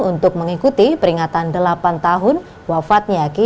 untuk mengikuti peringatan delapan tahun wafatnya